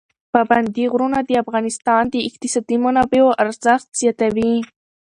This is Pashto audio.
پابندی غرونه د افغانستان د اقتصادي منابعو ارزښت زیاتوي.